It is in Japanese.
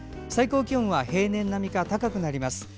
最高気温は平年並みか高くなります。